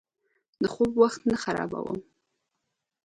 زه د خوب وخت نه خرابوم.